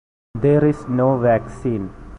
There is no vaccine.